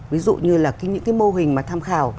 ví dụ như là những cái mô hình mà tham khảo